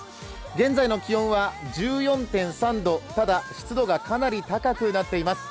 現在の気温は１４．３度、ただ、湿度がかなり高くなっています。